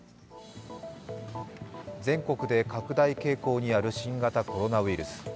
全国で拡大傾向にある新型コロナウイルス。